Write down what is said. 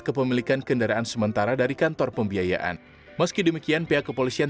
kepemilikan kendaraan sementara dari kantor pembiayaan meski demikian pihak kepolisian